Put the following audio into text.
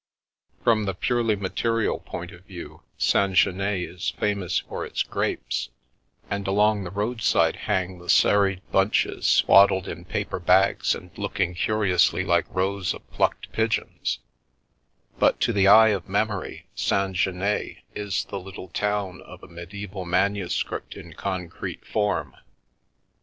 From the purely material point of view, Saint Jeannet is famous for its grapes, and along the roadside hang the serried The Milky Way bunches, swaddled in paper bags and looking curiously like rows of plucked pigeons ; but to the eye of memory Saint Jeannet is the little town of a medieval manu script in concrete form.